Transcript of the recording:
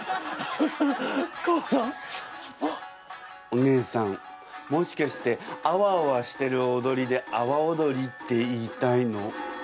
お姉さんもしかしてアワアワしてる踊りであわ踊りって言いたいの？